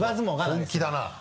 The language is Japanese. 本気だな。